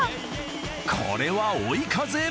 これは追い風！